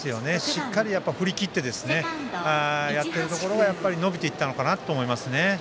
しっかり振り切ってやっているところが伸びていったのかなと思います。